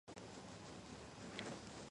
სოფელში არის ზედა ახალშენის საჯარო სკოლა.